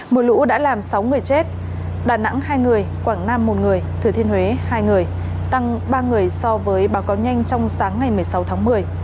mưa lũ đã làm sáu người chết đà nẵng hai người quảng nam một người thừa thiên huế hai người tăng ba người so với báo cáo nhanh trong sáng ngày một mươi sáu tháng một mươi